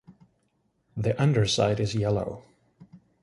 The underside is yellow.